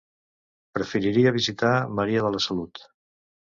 Preferiria visitar Maria de la Salut.